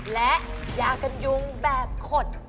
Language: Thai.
และยากจะยุงแบบคน